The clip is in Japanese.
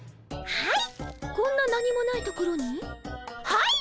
はい！